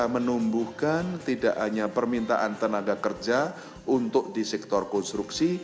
mereka memintaan tenaga kerja untuk di sektor konstruksi